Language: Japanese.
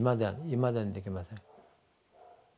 いまだにできません。